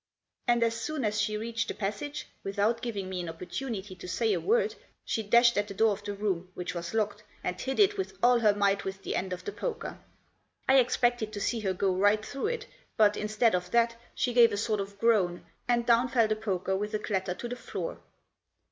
And as soon as she reached the passage, without giving me an opportunity to say a word, she dashed at the door of the room, which was locked, and hit it with all her might with the end of the poker. I expected to see her go right through it, but, instead of that, she gave a sort of groan, and down fell the poker with a clatter to the floor.